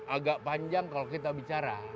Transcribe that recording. agak panjang kalau kita bicara